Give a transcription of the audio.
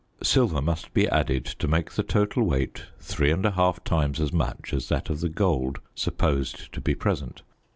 Silver must be added to make the total weight 3 1/2 times as much as that of the gold supposed to be present.